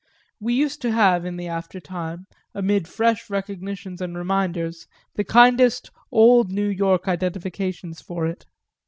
We used to have in the after time, amid fresh recognitions and reminders, the kindest "old New York" identifications for it.